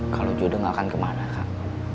kalau jodoh gak akan kemana kak